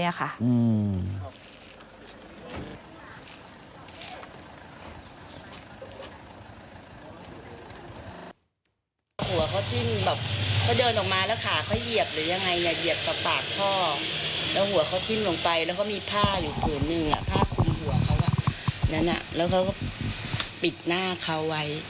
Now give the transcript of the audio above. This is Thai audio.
นอนคว่ำหัวคว่ำลงทอ